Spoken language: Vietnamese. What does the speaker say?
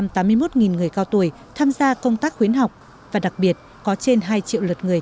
trên bảy trăm tám mươi một người cao tuổi tham gia công tác khuyến học và đặc biệt có trên hai triệu lượt người